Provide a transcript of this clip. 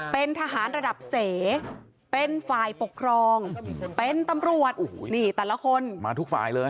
เป็นทหารระดับเสเป็นฝ่ายปกครองเป็นตำรวจโอ้โหนี่แต่ละคนมาทุกฝ่ายเลย